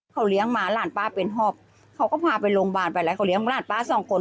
เขาเลี้ยงมาหลานป้าเป็นหอบเขาก็พาไปโรงพยาบาลไปแล้วเขาเลี้ยงหลานป้าสองคน